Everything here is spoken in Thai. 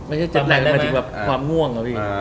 ไม่ใช่เจ็ดแหลกหมายถึงแบบความง่วงหรอพี่